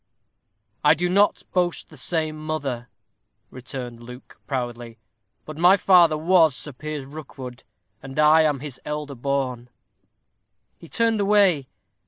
"I do not boast the same mother," returned Luke, proudly, "but my father was Sir Piers Rookwood, and I am his elder born." He turned away.